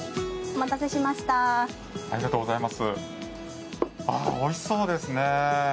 おいしそうですね。